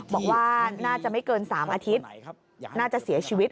บอกว่าน่าจะไม่เกิน๓อาทิตย์น่าจะเสียชีวิต